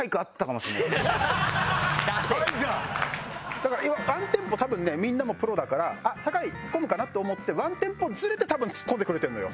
だから要は１テンポ多分ねみんなもプロだから「酒井ツッコむかな？」って思って１テンポずれて多分ツッコんでくれてるのよ。